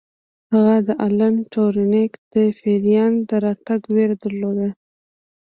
هغه د الن ټورینګ د پیریان د راتګ ویره درلوده